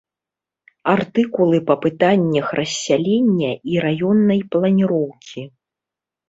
Артыкулы па пытаннях рассялення і раённай планіроўкі.